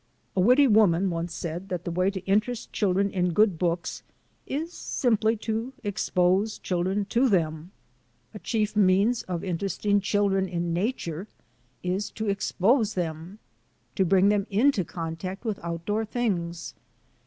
A witty woman once said that the way to interest children in good books is simply to expose children to them. The chief means of interesting children in nature is to expose them — to bring them into contact with outdoor things.